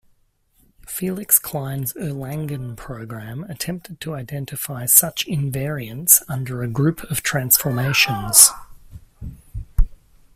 Felix Klein's Erlangen program attempted to identify such invariants under a group of transformations.